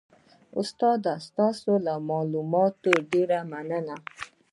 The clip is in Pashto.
استاده ستاسو له معلوماتو ډیره مننه